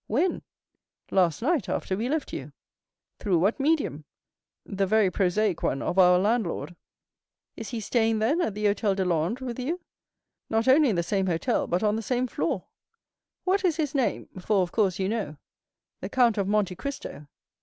"When?" "Last night, after we left you." "Through what medium?" "The very prosaic one of our landlord." "He is staying, then, at the Hôtel de Londres with you?" "Not only in the same hotel, but on the same floor." "What is his name; for, of course, you know?" "The Count of Monte Cristo."